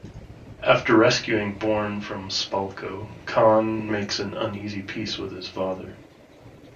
After rescuing Bourne from Spalko, Khan makes an uneasy peace with his father.